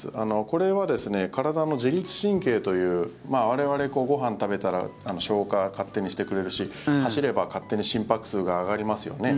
これは体の自律神経という我々、ご飯食べたら消化、勝手にしてくれるし走れば勝手に心拍数が上がりますよね。